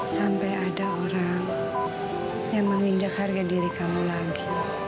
sampai ada orang yang menginjak harga diri kamu lagi